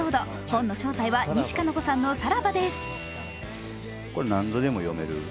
本の正体は西加奈子さんの「サラバ！」です。